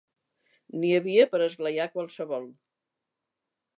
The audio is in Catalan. N'hi havia per a esglaiar qualsevol.